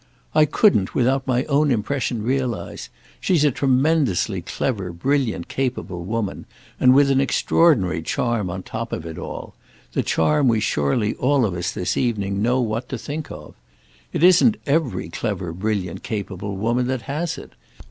"I couldn't, without my own impression, realise. She's a tremendously clever brilliant capable woman, and with an extraordinary charm on top of it all—the charm we surely all of us this evening know what to think of. It isn't every clever brilliant capable woman that has it.